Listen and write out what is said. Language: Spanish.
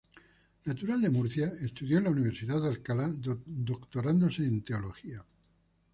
Natural de Murcia, estudió en la Universidad de Alcalá, doctorándose en teología.